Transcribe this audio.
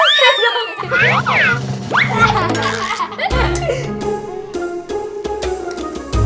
ustadz jangan jangan ustadz